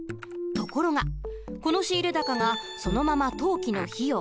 ところがこの仕入高がそのまま当期の費用